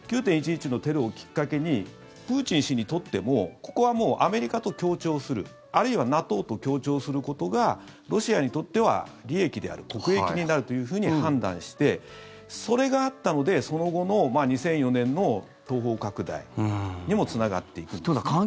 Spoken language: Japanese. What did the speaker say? ９・１１のテロをきっかけにプーチン氏にとってもここはもうアメリカと協調するあるいはＮＡＴＯと協調することがロシアにとっては利益である国益になるというふうに判断してそれがあったので、その後の２００４年の東方拡大にもつながっていくんですね。